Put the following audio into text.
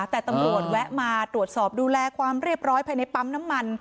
แต่ตำรวจแวะมาตรวจสอบดูแลความเรียบร้อยภายในปั๊มน้ำมัน